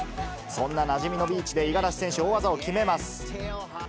そんななじみのビーチで、五十嵐選手、大技を決めます。